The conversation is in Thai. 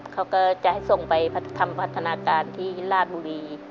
เขาก็จะให้ส่งไปทำพัฒนาการที่ราชบุรี